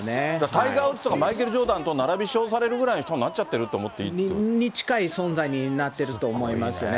タイガー・ウッズとかマイケル・ジョーダンと並び称されるぐらいの人になっちゃってると思っていい？に近い存在になってると思いますよね。